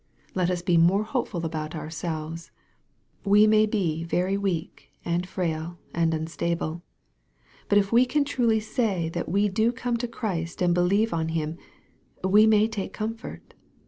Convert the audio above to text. Let us be more hopeful about ourselves. We may be very weak, and frail, and unstable ; but if we can truly say that we do come to Christ and believe on Him, we may take comfort.